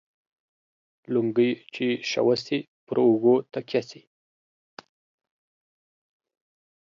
لنگۍ چې شوه سي ، پر اوږو تکيه سي.